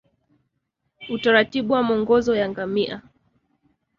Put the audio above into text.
Utaratibu wa mwongozo ya ngamia